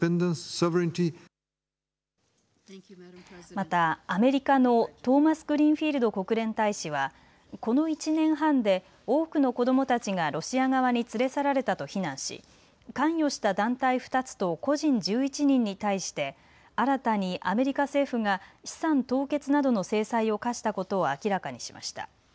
またアメリカのトーマスグリーンフィールド国連大使はこの１年半で多くの子どもたちがロシア側に連れ去られたと非難し関与した団体２つと個人１１人に対して新たにアメリカ政府が資産凍結などの制裁を科したことを明らかにしました。